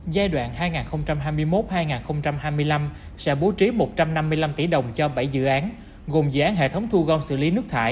giai đoạn hai nghìn hai mươi một hai nghìn hai mươi năm sẽ bố trí một trăm năm mươi năm tỷ đồng cho bảy dự án gồm dự án hệ thống thu gom xử lý nước thải